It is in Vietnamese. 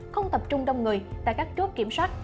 không tập trung đông người tại các chốt kiểm soát